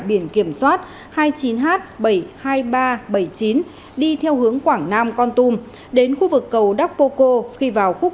biển kiểm soát hai mươi chín h bảy mươi hai nghìn ba trăm bảy mươi chín đi theo hướng quảng nam con tum đến khu vực cầu dapoco cô khi vào khúc